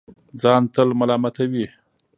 ځان تل ملامتوي